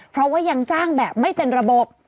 เพราะว่ายังจ้างแบบไม่เป็นระบบ